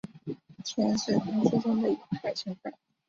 铅是排气中的有害成分。